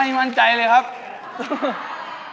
อุปกรณ์ทำสวนชนิดใดราคาถูกที่สุด